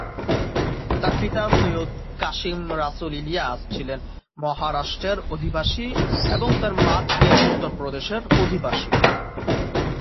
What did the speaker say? তার পিতা সৈয়দ কাশিম রাসুল ইলিয়াস ছিলেন মহারাষ্ট্রের অধিবাসী এবং তার মা ছিলেন উত্তর প্রদেশের অধিবাসী।